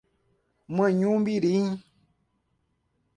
Manhumirim